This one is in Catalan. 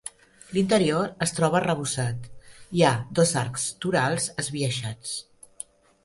L'interior es troba arrebossat, hi ha dos arcs torals esbiaixats.